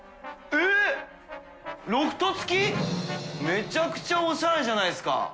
めちゃくちゃおしゃれじゃないですか！